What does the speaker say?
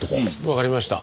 わかりました。